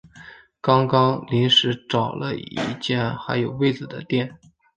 刚刚临时找了一间还有位子的店